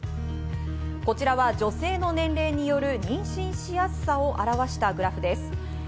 こちらは女性の年齢による妊娠しやすさを表したグラフです。